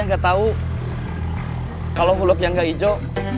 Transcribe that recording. saya gak tau kalau huluk yang gak hijau